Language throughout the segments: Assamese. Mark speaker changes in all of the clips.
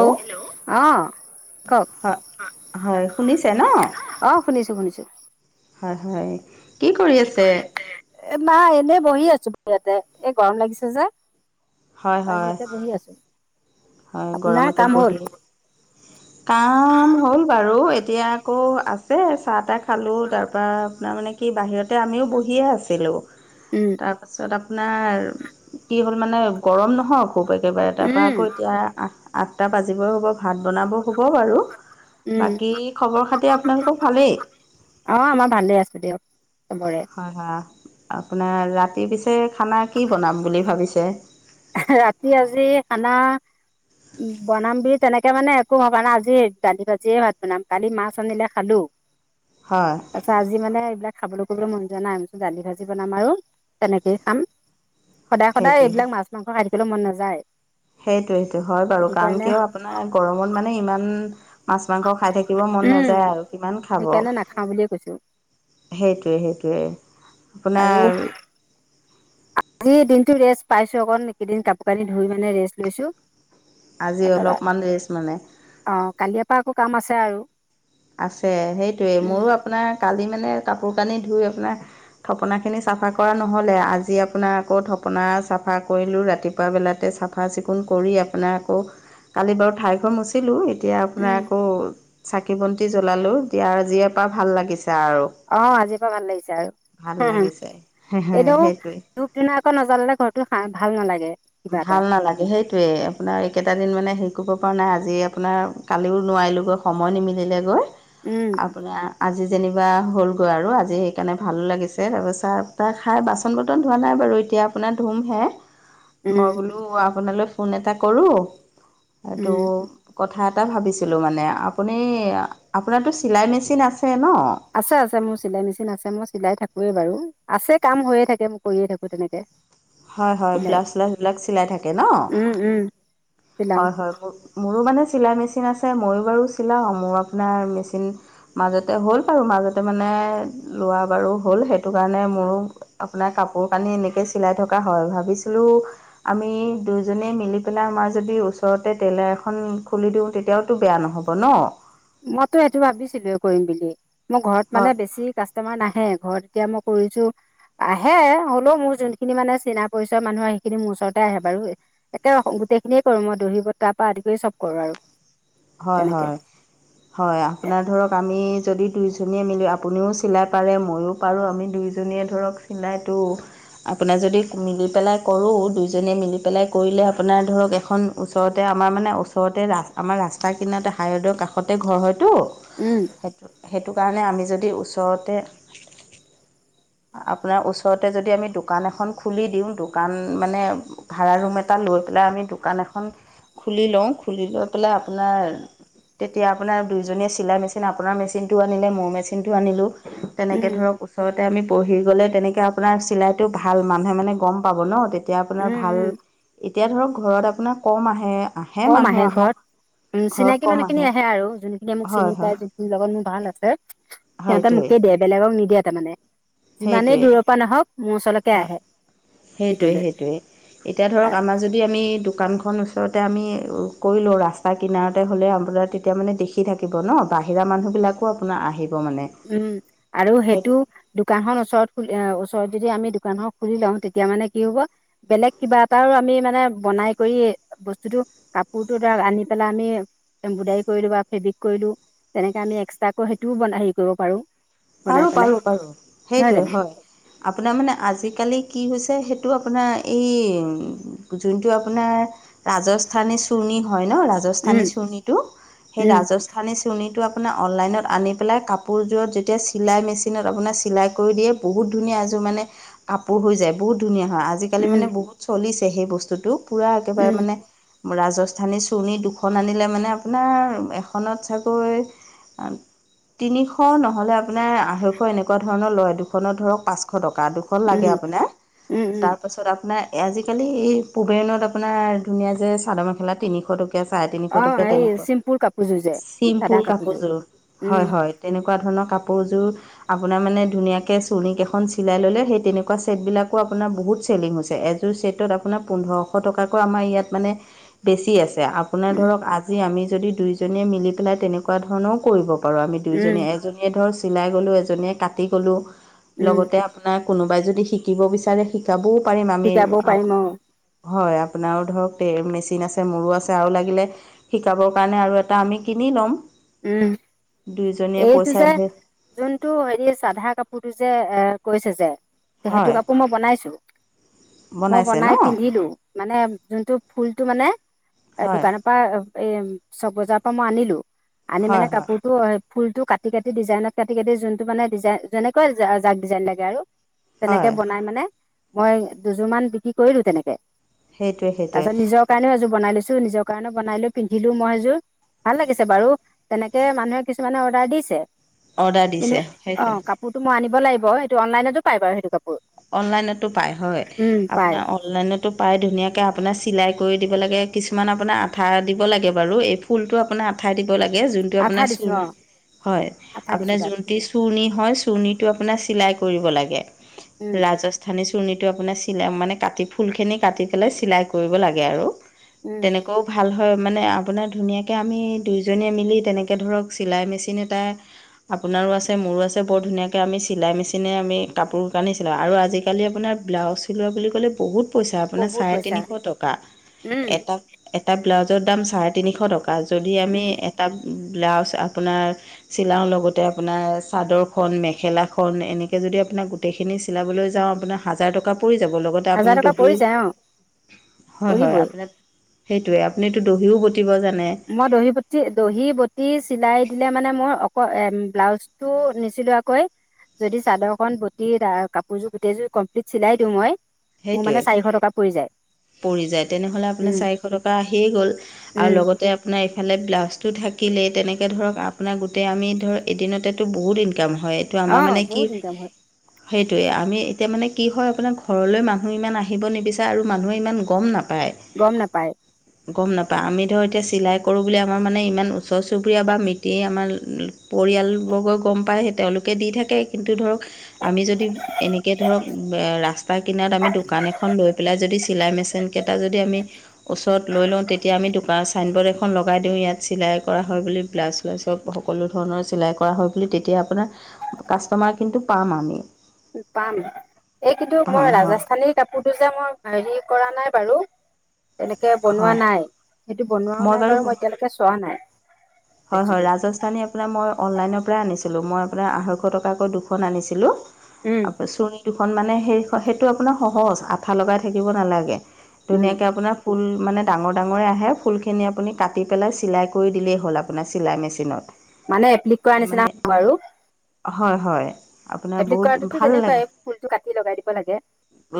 Speaker 1: হেল্ল'
Speaker 2: অ'হেল্ল', অহ। ক'ক
Speaker 1: হয় হয়
Speaker 2: হা-হয়
Speaker 1: শুনিছে ন
Speaker 2: শুনিছো নহ? অহ শুনিছো - শুনিছো।
Speaker 1: হয় -হয় কি কৰি আছে?
Speaker 2: এ নাই এনেই বহি আছো ইয়াতে এই গৰম লাগিছে যে
Speaker 1: হয় হয়
Speaker 2: বাহিৰতে বহি আছো।
Speaker 1: হয়,
Speaker 2: আপোনাৰ
Speaker 1: গৰমতে
Speaker 2: কাম হ'ল?
Speaker 1: বহি কাম হ'ল বাৰু এতিয়া আকৌ আছে যে চাহ -তাহ খালোঁ তাৰপৰা আপোনাৰ মানে কি বাহিৰতে আমিও বহিয়ে আছিলোঁ।
Speaker 2: উম,
Speaker 1: তাৰপাছত আপোনাৰ কি হ'ল মানে গৰম নহয় খুব এক কিবা এটাৰ পৰা
Speaker 2: উম,
Speaker 1: কৈ আঠ- আঠটা বাজিবই হ'ব ভাত বনাব হ'ব বাৰু
Speaker 2: উম।
Speaker 1: বাকী খবৰ -খাতি আপোনালোকৰ ভালেই।
Speaker 2: অ', আমাৰ ভালেই আছে দিয়ক। চবৰে।
Speaker 1: হয় -হয় আপোনাৰ ৰাতি পিছে খানা কি বনাম বুলি ভাবিছে?
Speaker 2: ৰাতি আজি খানা উম, বনাম বুলি তেনেকে মানে একো ভবা নাই আজি দালি- ভাজিয়ে ভাত বনাম কালি মাছ আনিলে খালো।
Speaker 1: হয়
Speaker 2: তাৰছত আজি মানে এইবিলাক খাবলৈ কৰিবলৈ মন যোৱা নাই দালি -ভাজি বনাম আৰু তেনেকেই খাম। সদায় -সদায়
Speaker 1: সেইটোৱে
Speaker 2: এইবিলাক মাছ, মাংস খাই থাকিব মন নাযায়।
Speaker 1: সেইটোৱেটো হয় বাৰু
Speaker 2: সেইটো
Speaker 1: কাৰণ
Speaker 2: কাৰণে
Speaker 1: কিয় আপোনাৰ গৰমত মানে ইমান মাছ, মাংস খাই থাকিব মন
Speaker 2: উম
Speaker 1: নাযায় আৰু কিমান খাব।
Speaker 2: সেইকাৰণে নাখাওঁ বুলিয়ে কৈছো
Speaker 1: সেইটোৱে -সেইটোৱে
Speaker 2: আৰু
Speaker 1: আপোনাৰ
Speaker 2: আজি দিনটো ৰেষ্ট পাইছো অকণ এইকেইদিন কাপোৰ-কানি ধুই মানে ৰেষ্ট লৈছো।
Speaker 1: আজি অলপমান
Speaker 2: [unintelligible]
Speaker 1: ৰেষ্ট মানে
Speaker 2: অহ কালিয়া পা আকৌ কাম আছে আৰু।
Speaker 1: আছে সেইটোয়ে
Speaker 2: উম,
Speaker 1: মোৰো আপোনাৰ কালি এনে কাপোৰ কানি ধুই আপোনাৰ থপনা খিনি ছাফা কৰা নহ'লেই আজি আপোনাৰ আকৌ থপনা চাফা কৰিলোঁ ৰাতিপুৱা বেলাতে চাফা চিকুণ কৰি আপোনাৰ আকৌ কালি বাৰু ঠাইঘৰ মুচিলো এতিয়া আপোনাৰ
Speaker 2: উম,
Speaker 1: আকৌ চাকি -বন্তি জ্বলালো দিয়া আজীয়েপা ভাল লাগিছে। আৰু
Speaker 2: অহ, আজিৰ পৰা ভাল লাগিছে আৰু।
Speaker 1: ভাল
Speaker 2: [unintelligible]
Speaker 1: লাগিছে
Speaker 2: এদহো
Speaker 1: সেইটোৱে
Speaker 2: ধূপ- ধুনা আকৌ নজলালে ঘৰটো ভাল নালাগে। কিবা এটা
Speaker 1: ভাল নালাগে সেইটোৱে আপোনাক আৰু এইকেইটা দিন মানে হেৰি কৰিব পৰা নাই আজি আপোনাৰ কালিও নোৱাৰিলোগৈ সময় নিমিলিলে গৈ
Speaker 2: উম,
Speaker 1: আপোনাৰ আজি যেনিবা হ'লগৈ আৰু আজি সেইকাৰণে ভালো লাগিছে তাৰপিচত চাহ - টাহ খাই বাচন বৰ্তন ধোৱা নাই বাৰু এতিয়া আপোনাৰ ধুমহে। মই
Speaker 2: উম,
Speaker 1: বোলো আপোনালৈ ফোন এটা কৰোঁ এইটো
Speaker 2: উম,
Speaker 1: কথা কথা এটা ভাবিছিলোঁ মানে আপুনি আপোনাৰটো চিলাই- মেচিন আছে? ন
Speaker 2: আছে -আছে মোৰ চিলাই মেচিন আছে মই চিলাই থাকো। কুৱে বাৰু আছে কাম হৈয়ে থাকে মই কৰিয়ে থাকো তেনেকে।
Speaker 1: হয়- হয়,
Speaker 2: চিলাই
Speaker 1: ব্লাউচ- শ্লাউজ বিলাক চিলাই থাকে নহ'
Speaker 2: উম, উম, চিলাওঁ
Speaker 1: হয় -হয়। মোৰো মানে চিলাই মেচিন আছে ময়ো বাৰু চিলাওঁ মোৰ আপোনাৰ মেচিন মাজতে হ'ল বাৰু মাজতে মানে লোৱা বাৰু হ'ল সেইটো কাৰণে মোৰো আপোনাৰ কাপোৰ - কানি এনেকে চিলাই থকা হয় ভাবিছিলো আমি দুইজনীয়ে মিলি পেলাই আমাৰ যদি ওচৰতে টেইলাৰ এখন খুলি দিওঁ তেতিয়াওতো বেয়া নহব ন'।
Speaker 2: মইতো এইটো ভাবিছিলোে কৰিম বুলি মোৰ ঘৰত
Speaker 1: হয়
Speaker 2: মানে বেছি কাষ্টমাৰ নাহে ঘৰত এতিয়া মই কৰিছো আহে হ'লেও মোৰ যোনখিনি মানে চিনা পৰিচয় মানুহ সেইখিনি মোৰ ওচৰতে আহে বাৰু একে গোটেই খিনি কৰো মই দহি বতাৰ পৰা আদি কৰি চব কৰো আৰু।
Speaker 1: হয় -
Speaker 2: তেনেকে
Speaker 1: হয়- হয় আপোনাৰ ধৰক আমি আমি যদি দুইজনীয়ে মিলি আপুনিও চিলাই পাৰে ময়ো পাৰোঁ আমি দুইজনীয়ে ধৰক চিলাইটো আপোনাৰ যদি মিলি পেলাই কৰোঁ, দুইজনীয়ে মিলি পেলাই কৰিলে আপোনাৰ ধৰক এখন ওচৰতে আমাৰ মানে ওচৰতে ৰা আমাৰ ৰাচ স্তাট কিনাতে হাইৰদৰ কাষতে ঘৰ হয়তো
Speaker 2: উম
Speaker 1: সেইটো সেইটো কাৰণে আমি যদি ওচৰতে আপোনাৰ ওচৰতে যদি আমি দোকান এখন খুলি দিওঁ দোকান মানে ভাড়া ৰুম এটা লৈ পেলাই আমি দোকান এখন খুলি লওঁ খুলি লৈ পেলাই আপোনাৰ তেতিয়া আপোনাৰ দুইজনীয়ে চিলাই -মেচিন আপোনাৰ মেচিনটো আনিলে মোৰ মেচিনটো আনিলোঁ তেনেকে
Speaker 2: উম
Speaker 1: ধৰক ওচৰতে আমি বহি গ'লে তেনেকে আপোনাৰ চিলাইটো ভাল মানুহে মানে গম পাব ন'তে তেতিয়া আপোনাৰ
Speaker 2: উম
Speaker 1: ভাল
Speaker 2: উম
Speaker 1: এতিয়া ধৰক ঘৰত আপোনাৰ কম আহে -আহে
Speaker 2: কম
Speaker 1: মানুহ
Speaker 2: ঘৰত
Speaker 1: অহাত
Speaker 2: উম, চিনাকি মানুহ খিনি আহে আৰু যোনখিনিয়ে মোক
Speaker 1: হয়
Speaker 2: চিনি
Speaker 1: হয়
Speaker 2: পায় যোনখিনি লগত মোৰ ভাল আছে সিহঁতে
Speaker 1: হয়টোৱে
Speaker 2: মোকে দিয়ে বেলেগ নিদিয়ে তাৰমানে যিমানেই
Speaker 1: সেইটোৱে
Speaker 2: দূৰৰ পৰা নহওক মোৰ ওচৰলৈকে
Speaker 1: হয়
Speaker 2: আহে।
Speaker 1: সেইটোৱে-
Speaker 2: দিবলৈ
Speaker 1: সেইটোৱে এতিয়া ধৰক আমাৰ যদি আমি দোকানখন ওচৰতে আমি কৰি লওঁ ৰাস্তা কিনাৰতে হ'লে আপোনাৰ তেতিয়া মানে দেখি থাকিব ন', বাহিৰা মানুহবিলাকো আপোনাৰ আহিব মানে
Speaker 2: উম, আৰু সেইটো দোকানখন ওচৰত খুলি ওচৰত যদি আমি দোকান খন খুলি লওঁ তেতিয়া মানে কি হ'ব বেলেগ কিবা এটাও আমি মানে বনাই কৰি বস্তুটো, কাপোৰটো আনি পেলাই আমি এমব্ৰইডাৰী কৰিলো বা ফেব্ৰিক কৰিলো তেনেকে আমি এক্সট্ৰাকৈ সেইটোও হেৰি কৰিব পাৰো।
Speaker 1: পাৰো -পাৰো -পাৰো সেইটোৱে হয় আপোনাৰ মানে আজিকালি কি হৈছে সেই টো আপোনাৰ এই যোনটো আপোনাৰ ৰাজস্থানী চুৰ্ণী হয় ন'ৰাজস্থানী
Speaker 2: উম
Speaker 1: চুৰ্ণীটো সেই
Speaker 2: উম
Speaker 1: ৰাজস্থানী চুৰ্ণীটো আ অনলাইনত আনি পেলাই কাপোৰযোৰত যেতিয়া চি চিলাই মেচিনত আপোনাৰ চিলাই কৰি দিয়ে বহুত ধুনীয়া এযোৰ মানে কপোৰ হৈ যায় বহুত ধুনীয়া। আজিকালি
Speaker 2: উম
Speaker 1: মানে বহুত চলিছে সেই বস্তুটো পোৰা একেবাৰে
Speaker 2: উম
Speaker 1: মানে ৰাজস্থানী চুৰ্ণী দুখন আনিলে মানে আপোনাৰ এখনত চাগৈ তিনিশ নহ'লে আপোনাৰ আঢ়ৈশ এনেকুৱা ধৰণৰ লয় দুখনত ধৰক পাঁচশ টকা। টকা, দুখন লাগে
Speaker 2: উম
Speaker 1: আপোনাৰ
Speaker 2: উম উম
Speaker 1: তাৰপাছত আপোনাৰ আজিকালি পুবেৰেনত আপোনাৰ ধুনীয়া যে চাদৰ -মেখেলা তিনিশ টকীয়া চাৰে-
Speaker 2: অঁ
Speaker 1: তিনিশটকীয়া
Speaker 2: এই
Speaker 1: তেনেকুৱা
Speaker 2: চিম্পুল কাপোৰযোৰ যে চাদা
Speaker 1: চিম্পুল কাপোৰযোৰ।
Speaker 2: উম
Speaker 1: হয় -হয় তেনেকুৱা ধৰণৰ কাপোৰ কাপোৰযোৰ আপোনাৰ মানে ধুনীয়াকে চুৰ্ণীকেইখন চিলাই ল'লে সেই তেনেকুৱা চেত বিলাকো আপোনাৰ বহুত চেল ছেলিং হৈছে, এযোৰ চেটত আপোনাৰ পোন্ধৰশ টকাকৈ আমাৰ ইয়াত মানে বেছি আছে। আপোনাৰ
Speaker 2: উম
Speaker 1: ধৰক আজি আমি যদি দুইজনীয়ে মিলি পেলাই তেনেকুৱা ধৰণৰও কৰিব হয় আমি
Speaker 2: উম
Speaker 1: দুইজনীয়ে এজনীয়ে ধৰ চিলাই গ'লোঁ এজনীয়ে কাটি গ'লোঁ
Speaker 2: উম
Speaker 1: লগতে আপোনাক কোনোবাই যদি শিকিব বিচাৰে শিকাবও পাৰিম আমি
Speaker 2: শিকাবও পাৰিম অঁ
Speaker 1: হয়, আপোনাৰো ধৰক তে মেচিন আছে মোৰ আছে আৰু লাগিলে শিকাবৰ কাৰণে আৰু এটা আমি কিনি ল'ম।
Speaker 2: উম,
Speaker 1: দুয়োজনীয়ে
Speaker 2: এইটো
Speaker 1: পইচা
Speaker 2: যে
Speaker 1: ইনভেষ্ট
Speaker 2: যোনটো হেৰি চাধা কাপোৰটো যে এ কৈছে যে তে সেইটো
Speaker 1: হয়
Speaker 2: কাপোৰ মই বনাইছো। মই
Speaker 1: বনাইছে ন
Speaker 2: বনাই পিন্ধিলো মানে যোনটো ফুলটো মানে এ
Speaker 1: হয়
Speaker 2: দোকানৰ পা এয়ে ছব বজাৰ পা মই আনিলো আনি মানে
Speaker 1: হয় হয়
Speaker 2: কাপোৰটো ফুলটো কাটি -কাটি ডিজাইনত কাটি -কাটি যোনটো মানে ডিজাইন যেনেকুৱা যাক ডিজাইন লাগে আৰু তেনেকে
Speaker 1: হয়
Speaker 2: বনাই মানে মই দুযোৰ মান বিক্ৰী কৰিলো তেনেকে
Speaker 1: সেইটোৱে
Speaker 2: তাৰ
Speaker 1: সেইটোৱে
Speaker 2: পিছত নিজৰ কাৰণেও এযোৰ বনাই লৈছো। এযোৰ নিজৰ কাৰণে বনাই লৈ পিন্ধিলো মই এযোৰ ভাল লাগিছে বাৰু। তেনেকে মানুহে কিছুমানে অৰ্ডাৰ দিছে
Speaker 1: অৰ্ডাৰ
Speaker 2: কিন্তু
Speaker 1: দিছে
Speaker 2: অহ
Speaker 1: সেইটোৱে
Speaker 2: কাপোৰতো মই আনিব লাগিব সেইটো অনলাইনতো পাই বাৰু সেইটো কাপো
Speaker 1: অনলাইনতো পায় হয়।
Speaker 2: পাই
Speaker 1: আপোনাৰ অনলাইনতো পায় ধুনীয়াকে আপোনাৰ চিলাই কৰি দিব লাগে, কিছুমান আপোনাৰ আঠা দিব লাগে বাৰু। এই ফুলটো আপোনাৰ আঠাই [unintelligible] জোনটো
Speaker 2: আঠা
Speaker 1: আপোনাৰ
Speaker 2: দিছো
Speaker 1: চু
Speaker 2: অ',
Speaker 1: হয়
Speaker 2: আঠা দিছো
Speaker 1: আপোনাৰ
Speaker 2: তাত
Speaker 1: যোনটি চুৰনি হয় চুৰনি টো আপোনাৰ চিলাই কৰিব লাগে।
Speaker 2: উম,
Speaker 1: ৰাজস্থানী চুৰণীটো আপোনাৰ চিলাই মানে কাটি ফুলখিনি কাটি পেলাই চিলাই কৰিব লাগে আৰু।
Speaker 2: উম,
Speaker 1: তেনেকৈও ভাল। হয়। মানে আপোনাৰ ধুনীয়াকে আমি দুইজনীয়ে মিলি তেনেকে ধৰক চিলাই মেচিন এটা আপোনাৰো আছে মোৰো আছে বৰ ধুনীয়াকে আমি চিলাই মেচিনে আমি কাপোৰ কানি [unintelligible] আৰু আজিকালি আপোনাৰ ব্লাউজ চিলোৱা বুলি ক'লে বহুত পইচা, আপোনাৰ
Speaker 2: বহুত
Speaker 1: চাৰে
Speaker 2: পইচা
Speaker 1: তিনিশ টকা,
Speaker 2: উম,
Speaker 1: এটা ব্লাউজৰ দাম চাৰে তিনিশ টকা বা যদি আমি
Speaker 2: উম,
Speaker 1: এটা ব্লাউজ আপোনাৰ চিলাওঁ লগতে আপোনাৰ চাদৰখন, মেখেলাখন, এনেকে যদি আপোনাক গোটেইখিনি চিলাবলৈ যাওঁ আপোনাৰ হাজাৰ টকা পৰি যাব লগতে
Speaker 2: হাজাৰ
Speaker 1: আপুনি
Speaker 2: টকা
Speaker 1: দহি
Speaker 2: পৰি যায় অ',
Speaker 1: হয় -হয়
Speaker 2: পৰিবই
Speaker 1: আপোনাক সেইটোয়ে আপুনিটো দহিও গুঠি
Speaker 2: মই দহি -বতি, দহি- বটি চিলাই দিলে মানে মই এ ব্লাউজ টো নিচিলোৱাকৈ যদি চাদৰ খন বটি তাৰ কাপোৰযোৰ গোটেইযোৰ কমপ্লিট চিলাই দিওঁ মই মোৰ
Speaker 1: সেইটোৱে
Speaker 2: মানে চাৰিশ টকা পৰি যায়।
Speaker 1: পৰি যায়। তেনেহলে আপোনাৰ
Speaker 2: উম,
Speaker 1: চাৰিশ টকা আহিয়ে গ'ল। আৰু
Speaker 2: উম,
Speaker 1: লগতে আপোনাৰ এইফালে ব্লাউজটো থাকিলেই। তেনেকৈ ধৰক আপোনাৰ গোটেই আমি ধৰক এদিনতে বহুত ইনকা কাম হয়। এইটো আমাৰ
Speaker 2: অ',
Speaker 1: মানে কি
Speaker 2: বহুত ইনকাম হয়
Speaker 1: সেইটোৱে আমি এতিয়া মানে কি হয় আপোনাৰ ঘৰলৈ মানুহ ইমান আহিব নিবিচাৰে আৰু মানুহে ইমান গম নাপায়।
Speaker 2: গম -নাপায়।
Speaker 1: গম নাপাওঁ। আমি ধৰ এতিয়া চিলাই কৰোঁ বুলি আমাৰ মানে ইমান ওচৰ- চুবুৰীয়া বা মিটয়ে আমাৰ পৰিয়ালবৰ্গ গম পায় তেওঁলোকে দি থাকে কিন্তু ধৰক আমি যদি এনেকে ধৰক তাই কিনাত আমি দোকান এখন লৈ পেলাই যদি চিলাই মেচিন কেইটা যদি আমি ওচৰত লৈ লওঁ, তেতিয়া আমি এইটোপা চাইনবৰ্ড এখন লগাই দিও ইয়াত চিলাই কৰা হয় বুলি, ব্লাউচ - শ্লাউজ চব সকলো ধৰণৰ চিলাই কৰা হয়। তেতিয়া আপোনাৰ কাষ্টমাৰ কিন্তু পাম আমি।
Speaker 2: পাম। এই কিন্তু
Speaker 1: পাম
Speaker 2: মই
Speaker 1: হয়
Speaker 2: ৰাজস্থানীৰ কাপোৰটো যে মই হেৰি কৰা নাই। পাৰো। তেনেকে বনোৱা
Speaker 1: হয়
Speaker 2: নাই, সেইটো বনোৱাও নাই বাৰু মই এতিয়ালৈকে চোৱা নাই।
Speaker 1: হয় -হয়।
Speaker 2: বস্তুটো
Speaker 1: ৰাজস্থানী আপোনাৰ মই অনলাইনৰ পৰাই আনিছিলোঁ। মই আপোনাৰ আঢ়ৈশ টকাকৈ দুখন আনিছিলোঁ।
Speaker 2: উম
Speaker 1: ত' চুৰ্ণী দুখন মানে সেই -সেইটো আপোনাৰ সহজ আঠা লগাই থাকিব নালাগে।
Speaker 2: উম
Speaker 1: ধুনীয়াকে আপোনাৰ ফুল মানে ডাঙৰ - ডাঙৰ আহে, ফুলখিনি আপুনি কাটি পেলাই চিলাই কৰি দিলেই হ'ল আপোনাৰ চিলাই মেচিনত
Speaker 2: মানে এপ্লিক কৰা নিচিনা
Speaker 1: মানে
Speaker 2: [inaudible] বাৰু।
Speaker 1: হয় -হয় আপোনাৰ বহুত ভাল
Speaker 2: তেনেকুৱাই
Speaker 1: লাগে
Speaker 2: ফুলটো কাটি লগাই দিব লাগে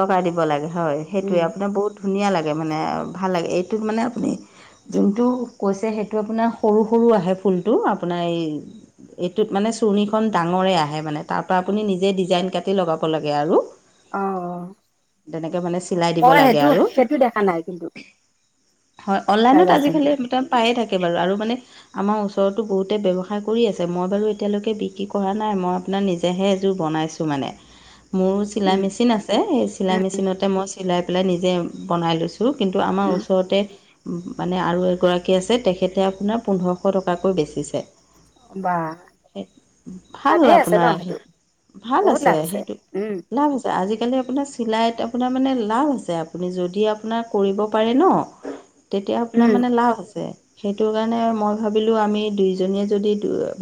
Speaker 1: লগাই দিব লাগে হয়। সেইটোৱে
Speaker 2: উম
Speaker 1: আপোনাৰ বহুত ধুনীয়া লাগে মানে ভাল লাগে। এইটোত মানে আপুনি যোনটো কৈছে সেইটো আপোনাৰ সৰু -সৰু আহে ফুলটো, আপোনাৰ এই এইটোত মানে চুৰণিখন ডাঙৰে আহে মানে তাৰপা আপুনি নিজে ডিজাইন কাটি লগাব লাগে আৰু।
Speaker 2: অ
Speaker 1: [inaudible] তেনেকে মানে চিলাই দিব
Speaker 2: মই
Speaker 1: লাগে
Speaker 2: সেইটো
Speaker 1: আৰু।
Speaker 2: সেইটো দেখা নাই কিন্তু
Speaker 1: হয়। অনলাইনত আজি
Speaker 2: ৰাজস্থানটো
Speaker 1: খালি পায়ে থাকে বাৰু। আৰু মানে আমাৰ ওচৰততো বহুতে ব্যৱসায় কৰি আছে, মই বাৰু এতিয়ালৈকে বিক্ৰী কৰা নাই, মই আপোনাৰ নিজেহে এযোৰ বনাইছো মানে মোৰ চিলাই
Speaker 2: উম
Speaker 1: মেচিন আছে, সেই চিলাই মেচিনতে মই চিলাই পেলাই নিজে বনাই লৈছোঁ। কিন্তু আমাৰ
Speaker 2: উম
Speaker 1: ওচৰতে মানে আৰু এগৰাকী আছে তেখেতে আপোনাৰ পোন্ধৰশ টকাকৈ বেছিছে।
Speaker 2: বা
Speaker 1: ভাল হল
Speaker 2: লাভেই আছে ন
Speaker 1: আপোনাৰ।
Speaker 2: সেইটো
Speaker 1: ভাল
Speaker 2: বহুত
Speaker 1: আছে
Speaker 2: লাভ
Speaker 1: সেইটোট
Speaker 2: উম
Speaker 1: লাভ আছে আজিকালি আজিকালি আপোনাৰ চিলাইত আপোনাৰ মানে লাভ আছে আপুনি যদি আপোনাৰ কৰিব পাৰে ন', তেতিয়া আপোনাৰ
Speaker 2: উম
Speaker 1: মানে লাভ আছে সেইটো কাৰনে যশ মই ভাবিলো আমি দুইজনীয়ে যদি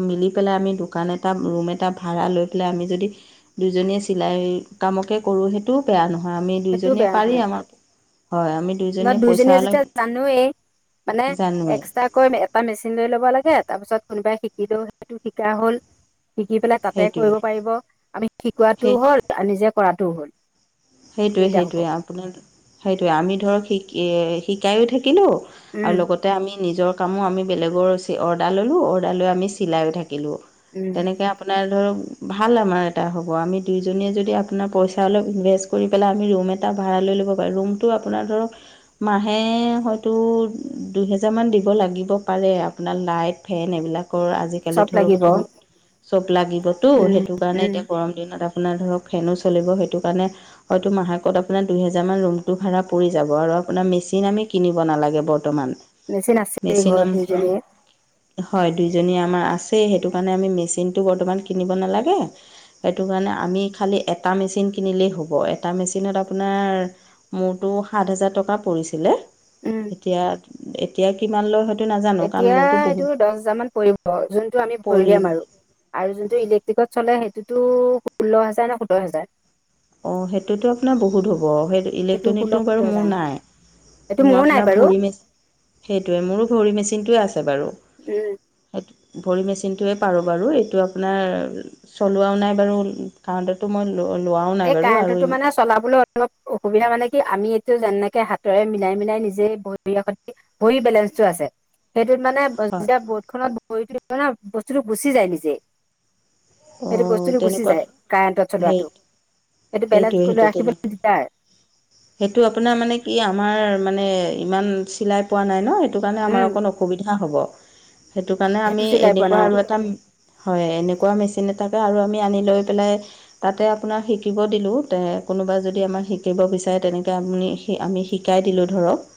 Speaker 1: মিলি পেলাই আমি দোকান এটা ৰুম এটা ভাড়া লৈ পেলাই আম আমি যদি দুইজনীয়ে চিলাই কামকে কৰোঁ সেইটোও বেয়া নহয়। আমি
Speaker 2: সেইটোও
Speaker 1: দুইজনীয়ে
Speaker 2: বেয়া
Speaker 1: পাৰি
Speaker 2: নহয়
Speaker 1: আমাৰ হয় আমি
Speaker 2: ন'
Speaker 1: পইচা
Speaker 2: দুইজনীয়ে
Speaker 1: অলপ
Speaker 2: যেতিয়া জানোৱেই মানে
Speaker 1: জানোৱেই
Speaker 2: এক্সট্ৰাকৈ এটা মেচিন লৈ ল'ব লাগে তাৰপিছত কোনোবাই শিকিলেও সেইটো শিকা হ'ল। শিকি পেলাই তাতে
Speaker 1: সেইটোৱেই
Speaker 2: কৰিব পাৰিব আমি শিকোৱাটোও
Speaker 1: সেই
Speaker 2: হ'ল আৰু নিজে কৰাটোও হ'ল।
Speaker 1: সেইটোৱে
Speaker 2: দুইটা হ'ব
Speaker 1: -সেইটোৱে আপোনাৰ সেইটোৱে আমি ধৰক শিকাইও থাকি কিলো
Speaker 2: উম
Speaker 1: আৰু লগতে আমি নিজৰ কামো আমি বেলেগৰ অৰ্ডাৰ ল'লোঁ অৰ্ডাৰ লৈ আমি চিলাইও থাকিলোঁ
Speaker 2: উম
Speaker 1: তেনেকে আপোনাৰ ধৰক ভাল আমাৰ এটা হ'ব আমি দুইজনীয়ে যদি আপোনাৰ পইচা অলপ ইনভেষ্ট কৰি পেলাই আমি ৰুম এটা ভা ড়া লৈ ল'ব পাৰোঁ ৰুমটো আপোনাৰ ধৰক মাহে হয়তো দুহেজাৰমান দিব লাগিব পাৰে আপোনাৰ লাইট, ফেন এইবিলাক কৰ আজিকালি
Speaker 2: চব
Speaker 1: ধৰ
Speaker 2: লাগিব
Speaker 1: বহুত চব লাগিবতো
Speaker 2: উম
Speaker 1: সেইটো কাৰণে
Speaker 2: উম
Speaker 1: এতিয়া গৰম দিনত আপোনাৰ ধৰক ফেনো চলিব সেইটো কাৰণে হয়তো মাহেকত আপোনাৰ দুহেজাৰমান ৰুমটো ভাড়া পৰি যাব আৰু আপোনাৰ মেচিন আমি কিনিব নালাগে বৰ্তমান
Speaker 2: মেচিন আছে দুই
Speaker 1: মেচিন আম
Speaker 2: ঘৰত দুইজনিৰে।
Speaker 1: হয়, দুইজনী আমাৰ আছেই সেইটো কাৰণে আমি মেচিনটো বৰ্তমান কিনিব নালাগে। সেইটো কাৰণে আমি খালি এটা মেচিন কিনিলেই হ'ব। এটা মেচিনত আপোনাৰ মোৰতো সাত হাজাৰ টকা পৰিছিলে
Speaker 2: উম
Speaker 1: এতিয়া এতিয়া কিমান লয় নাজানো কাৰণ
Speaker 2: এতিয়া
Speaker 1: মোৰতো বহুত
Speaker 2: এইটো দহ হজাৰ মান পৰিব যোনটো আমি
Speaker 1: পৰি
Speaker 2: ভৰিলিয়াম আৰু। আৰু যোনটো ইলেক্ট্ৰিকত চলে সেইটোতো ষোল্ল হেজাৰ নে সোত্তৰ হাজাৰ।
Speaker 1: অহ, সেইটোতো আপোনাৰ বহুত হ'ব সেই
Speaker 2: সেইটো ষোল্ল
Speaker 1: ইলেক্ট্ৰনিকটো বাৰু
Speaker 2: সোতৰ
Speaker 1: মোৰ
Speaker 2: হাজাৰ
Speaker 1: নাই।
Speaker 2: এইটো
Speaker 1: মোৰ
Speaker 2: নাই
Speaker 1: আপোনাৰ
Speaker 2: বাৰু
Speaker 1: ভৰি মেচিন সেইটোৱে মোৰো ভৰি মেচ চিনটোৱে আছে বাৰু
Speaker 2: উম
Speaker 1: সেইটো। ভৰি মেচিনটোৱে পাৰোঁ বাৰু এইটো আপোনাৰ চলোৱাও নাই বাৰু কাউণ্টাৰটো মই লোৱাও
Speaker 2: এই
Speaker 1: নাই বাৰু আৰু
Speaker 2: কাৰেণ্টতো
Speaker 1: ইম
Speaker 2: মানে চলাবলৈ অলপ অসুবিধা মানে আমি এইটো যেনেকে হাতেৰে মিলাই -মিলাই নিজে ভৰি [unintelligible] ভৰি বেলেঞ্চটো আছে সেই ত'মানে
Speaker 1: হয়
Speaker 2: যেতিয়া বৰ্ড খনত ভৰিটো দিব ন' বস্তুটো গুচি যায় নিজে। সেইটো
Speaker 1: অঁ
Speaker 2: বস্তুটো গুচি
Speaker 1: তেনেকুৱা
Speaker 2: যায় কাৰেণ্টত
Speaker 1: সেই
Speaker 2: চলোৱাটো। সেইটো বেলেঞ্চ
Speaker 1: সেইটোৱে-
Speaker 2: কৰি
Speaker 1: সেইটো তেনে
Speaker 2: ৰাখিবলৈ দিগদাৰ
Speaker 1: সেইটো আপোনাৰ মানে কি আমাৰ মানে ইমান চিলাই পোৱা নাই ন'সেইটো কাৰনে
Speaker 2: উম
Speaker 1: আমাৰ অকণ অসুবিধা হ'ব। সেইটো কাৰণে আমি
Speaker 2: চিলাই পোৱা
Speaker 1: এনেকুৱা আৰু
Speaker 2: নাই
Speaker 1: এটা হয় এনেকুৱা মেচি আমি আৰু আনি লৈ পেলাই তাতে আপোনাৰ শিকিব দিলো কোনোবা যদি আমাৰ শিকিব বিচা তেনেকৈ আমনি আমি শিকাই দিলোঁ ধৰক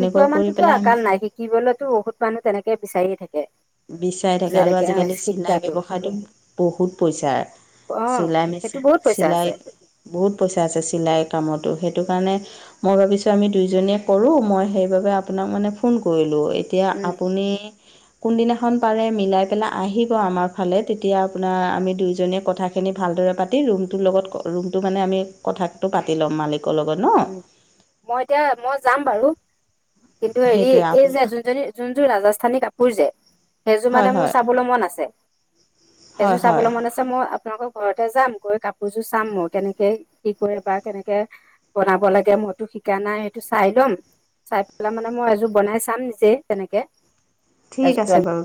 Speaker 2: শিকোৱা
Speaker 1: কৰি
Speaker 2: মানুহটোটো
Speaker 1: পেলাই আমি
Speaker 2: আকাল নাই শিকিবলেতো বহুত মানুহ তেনেকে বিচাৰিয়ে থাকে।
Speaker 1: বিচাৰি থাকে আৰু
Speaker 2: যেনেকে অ
Speaker 1: আজিকালি চিলাই
Speaker 2: শিকাটো
Speaker 1: ব্যৱসায়টো বহুত পইচা
Speaker 2: অ
Speaker 1: চিলাই
Speaker 2: সেইটো
Speaker 1: মেচিন
Speaker 2: বহুত পইচা
Speaker 1: চিলাই
Speaker 2: আছে
Speaker 1: বহুত পইচা আছে চিলাই কামতো সেই সেইটো কাৰণে মই ভাবিছোঁ আমি দুইজনীয়ে কৰোঁ মই সেইবাবে আপোনাক মানে ফোন কৰিলো। এতিয়া
Speaker 2: উম
Speaker 1: আপুনি কোনদিনাখন পাৰে মিলাই পেলাই আহিব আমাৰ ফালে তেতিয়া আপোনাৰ আমি দুইজনীয়ে কথাখিনি ভালদৰে পাতি ৰুমটোৰ লগত ৰুমটো মানে আমি কথাটো পাতি ল'ম মালিক
Speaker 2: মই এতিয়া মই যাম বাৰু। কিন্তু হেৰি
Speaker 1: সেইটোৱে
Speaker 2: এই
Speaker 1: আপুনি
Speaker 2: যে যোনজনী যোন যোৰ ৰাজস্থানী কাপোৰ যে সেইযোৰ
Speaker 1: হয়
Speaker 2: মানে
Speaker 1: হয়
Speaker 2: মোৰ চাবলৈ মন আছে
Speaker 1: হয়
Speaker 2: এযোৰ
Speaker 1: হয়
Speaker 2: চাবলৈ মন আছে মই আপোনালোকৰ ঘৰতে যাম গৈ কাপোৰযোৰ চাম মই কেনেকে কি কৰে বা কেনেকে বনাব লাগে মইতো শিকা নাই সেইটো চাই ল'ম চাই পেলাই মানে মই এযোৰ বনাই চাম নিজেই তেনেকে
Speaker 1: ঠিক
Speaker 2: এযোৰ
Speaker 1: আছে
Speaker 2: আনি
Speaker 1: বাৰু।